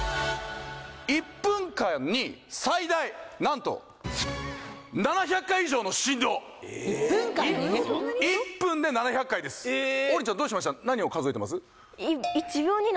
１分間に最大何と７００回以上の振動１分で７００回ですえっ王林ちゃんどうしました？